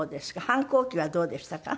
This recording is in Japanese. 反抗期はどうでしたか？